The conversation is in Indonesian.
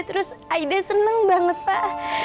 terus aida senang banget pak